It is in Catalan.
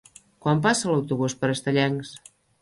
Quan passa l'autobús per Estellencs?